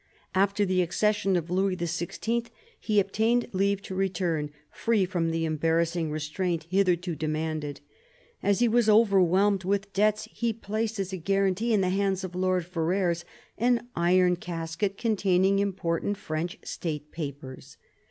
After the accession of Louis XVI he obtained leave to return, free from the embarrassing restraint hitherto demanded. As he was overwhelmed with debts he placed as a guarantee in the hands of Lord Ferrers an iron casket containing important French state papers.